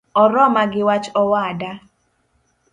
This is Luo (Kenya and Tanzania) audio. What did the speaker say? Oroma giwach owada